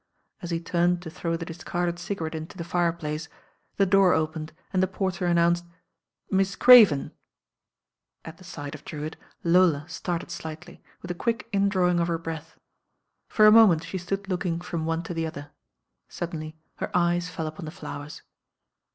As he turned to throw the discarded cigarette into the fireplace, the door opened and the porter announced — "Miss Craven." At the sight of Drewitt, Lola started slightly* ^th a quick indfawing of her breath. For a moment she stood looking from <me to the other. Suddenly her eyes fell upon the flowers.